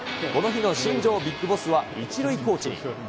この日の新庄ビッグボスは、１塁コーチに。